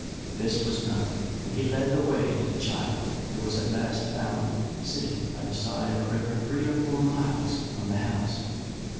This was done; and he led the way to the child, who was at last found sitting by the side of a river three or four miles from the house.